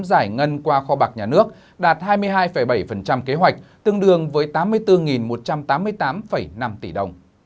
giải ngân qua kho bạc nhà nước đạt hai mươi hai bảy kế hoạch tương đương với tám mươi bốn một trăm tám mươi tám năm tỷ đồng